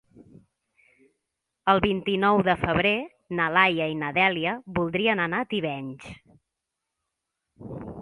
El vint-i-nou de febrer na Laia i na Dèlia voldrien anar a Tivenys.